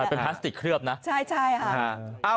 รุ่นเราไม่มีแล้วใช่ค่ะ